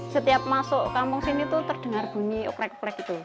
setiap masuk kampung sini terdengar bunyi ukrek ukrek itu